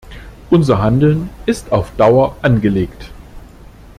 Unser Handeln ist auf Dauer angelegt.